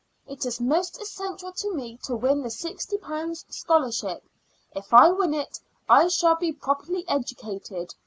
It is most essential to me to win the sixty pounds scholarship. If I win it I shall be properly educated.